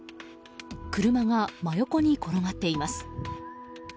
車が真横に転がっています。